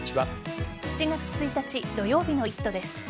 ７月１日土曜日の「イット！」です。